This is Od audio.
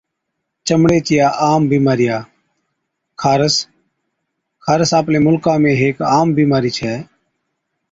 چمڙي چِيا عام بِيمارِيا، خارس Scabies خارس آپلي مُلڪا ۾ هيڪ عام بِيمارِي ڇَي